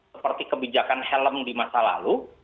seperti kebijakan helm di masa lalu